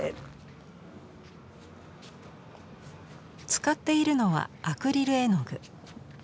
使っているのはアクリル絵の具。